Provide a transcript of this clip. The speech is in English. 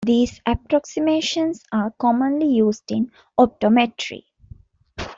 These approximations are commonly used in optometry.